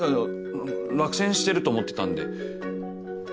落選してると思ってたんで。